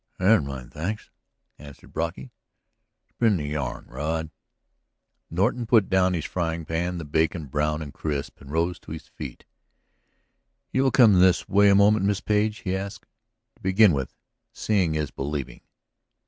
"Had mine, thanks," answered Brocky. "Spin the yarn, Rod." Norton put down his frying pan, the bacon brown and crisp, and rose to his feet. "Will you come this way a moment, Miss Page?" he asked. "To begin with, seeing is believing."